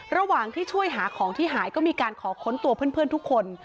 ระหว่างที่ช่วยหาของที่หายก็มีการขอค้นตัวเพื่อนทุกคน